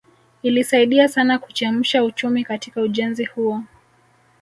Ilisaidia sana kuchemsha uchumi katika ujenzi huo